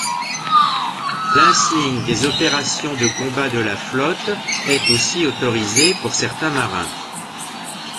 L'insigne des opérations de combat de la Flotte est aussi autorisé pour certains marins.